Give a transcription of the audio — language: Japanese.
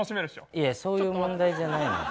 いやそういう問題じゃないのよ。